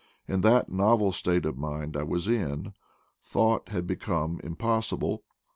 In that novel state of mind I was in, thought had become impossible.